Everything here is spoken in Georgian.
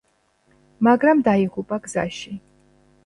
მაგრამ დაიღუპა გზაში.